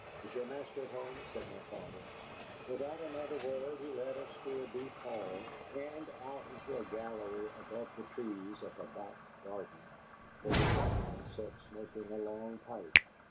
"Is your master at home?" said my father. Without another word he led us through a deep hall, and out into a gallery above the trees of a back garden, where a gentleman sat smoking a long pipe.